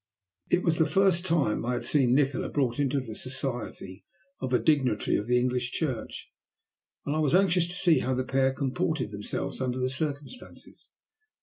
It was the first time I had seen Nikola brought into the society of a dignitary of the English Church, and I was anxious to see how the pair comported themselves under the circumstances.